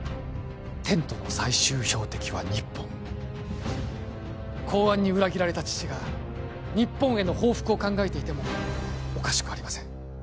テントの最終標的は日本公安に裏切られた父が日本への報復を考えていてもおかしくありません